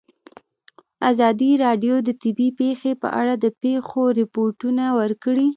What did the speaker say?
ازادي راډیو د طبیعي پېښې په اړه د پېښو رپوټونه ورکړي.